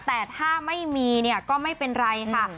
แต่ถ้าไม่มีเนี่ยก็ไม่เป็นไรค่ะ